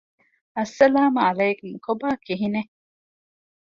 އައްސަލާމު ޢަލައިކުމް ކޮބާ ކިހިނެތް؟